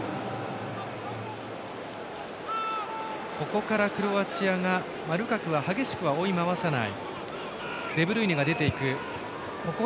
ここからクロアチアはルカクは激しくは追い回さない。